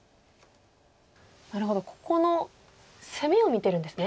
なるほどここの攻めを見てるんですね。